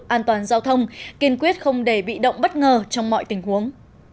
an toàn giao thông kiên quyết không để bị động bất ngờ trong mọi tình huống